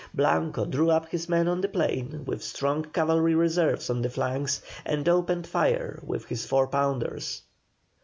Blanco drew up his men on the plain, with strong cavalry reserves on the flanks, and opened fire with his four pounders.